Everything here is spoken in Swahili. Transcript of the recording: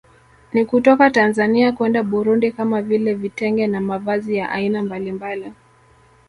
Na kutoka Tanzania kwenda Burundi kama vile Vitenge na mavazi ya aina mbalimbali